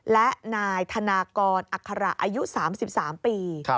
และนายธนากรอัคระอายุ๓๓ปี